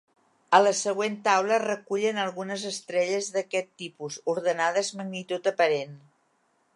A la següent taula es recullen algunes estrelles d'aquest tipus, ordenades magnitud aparent.